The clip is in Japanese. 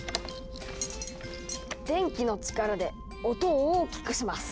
電気の力で音を大きくします。